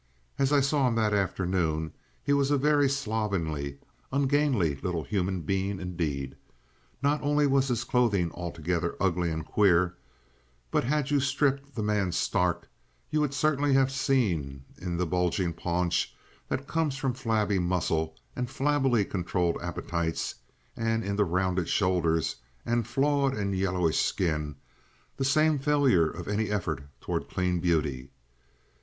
As I saw him that afternoon he was a very slovenly, ungainly little human being indeed, not only was his clothing altogether ugly and queer, but had you stripped the man stark, you would certainly have seen in the bulging paunch that comes from flabby muscles and flabbily controlled appetites, and in the rounded shoulders and flawed and yellowish skin, the same failure of any effort toward clean beauty.